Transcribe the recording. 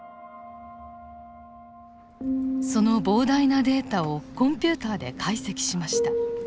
その膨大なデータをコンピューターで解析しました。